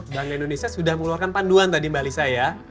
bank indonesia sudah mengeluarkan panduan tadi mbak lisa ya